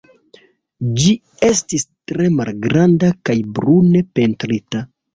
Ĝi estis tre malgranda kaj brune pentrita.